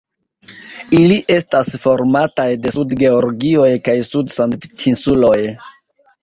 Ili estas formataj de Sud-Georgioj kaj Sud-Sandviĉinsuloj.